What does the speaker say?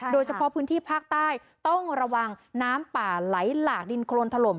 โดยเฉพาะพื้นที่ภาคใต้ต้องระวังน้ำป่าไหลหลากดินโครนถล่ม